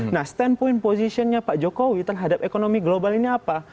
nah standpoint position nya pak jokowi terhadap ekonomi global ini apa